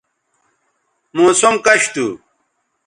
موسم کش تھو